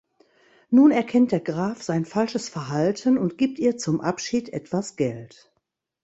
Nun erkennt der Graf sein falsches Verhalten und gibt ihr zum Abschied etwas Geld.